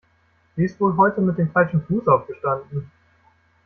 Sie ist wohl heute mit dem falschen Fuß aufgestanden.